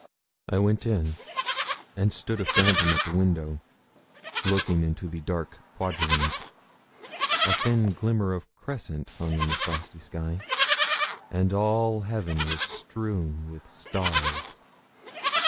I went in, and stood a phantom at the window, looking into the dark quadrangle. A thin glimmering crescent hung in the frosty sky, and all heaven was strewn with stars.